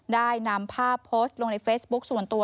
ได้นำภาพโพสต์ลงในเฟซบุ๊คส่วนตัว